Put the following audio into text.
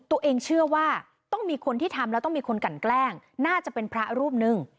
ตัวเองเชื่อว่าต้องมีคนที่ทำแล้วต้องมีคนกันแกล้งน่าจะเป็นพระรูปหนึ่ง